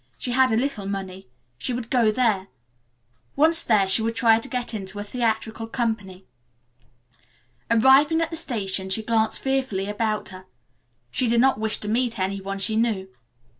She had a little money. She would go there. Once there she would try to get into a theatrical company. Arrived at the station she glanced fearfully about her. She did not wish to meet any one she knew.